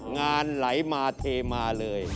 งานไหลมาเทมาเลย